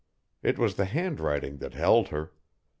It was the handwriting that held her.